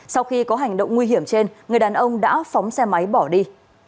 sau khi có hành động nguy hiểm trên người đàn ông đã phóng xe máy bỏ đi